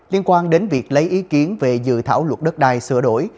liên quan đến việc lấy ý kiến về dự thảo luật đất đai sửa đổi